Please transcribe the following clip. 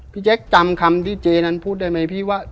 แจ๊คจำคำที่เจนั้นพูดได้ไหมพี่ว่า